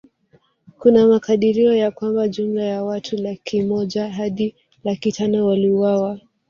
Kuna makadirio ya kwamba jumla ya watu laki moja Hadi laki tano waliuawa